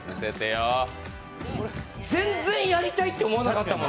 全然やりたいって思わなかったもん。